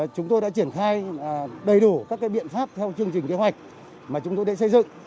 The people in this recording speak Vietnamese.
chúng tôi đã triển khai đầy đủ các biện pháp theo chương trình kế hoạch mà chúng tôi đã xây dựng